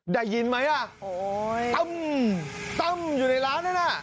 ได้ยินไหมอ่ะโอ้ยตั้มตั้มอยู่ในร้านนั้นน่ะ